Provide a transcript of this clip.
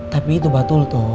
tapi itu betul tuh